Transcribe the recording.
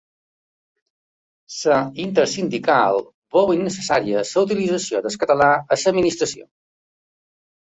La Intersindical veu innecessària la utilització del català a l'administració